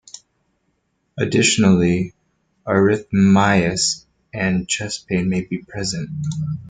Additionally, arrhythmias and chest pain may be present.